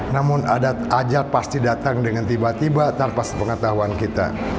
namun ada ajah pasti datang dengan tiba tiba tanpa pengetahuan kita